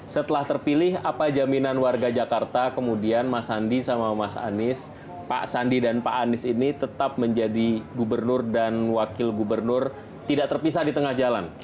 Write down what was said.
setelah terpilih apa jaminan warga jakarta kemudian mas sandi sama mas anies pak sandi dan pak anies ini tetap menjadi gubernur dan wakil gubernur tidak terpisah di tengah jalan